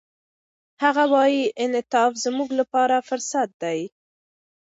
هغه وايي، انعطاف زموږ لپاره فرصت دی.